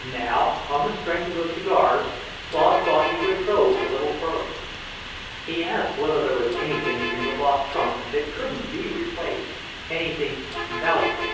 Now, on the strength of the cigars, Claude thought he would probe a little further. He asked whether there was anything in the lost trunk that couldn't be replaced, anything "valuable."